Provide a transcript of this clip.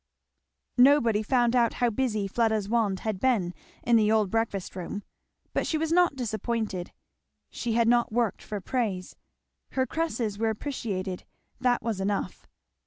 Nobody found out how busy Fleda's wand had been in the old breakfast room. But she was not disappointed; she had not worked for praise. Her cresses were appreciated; that was enough.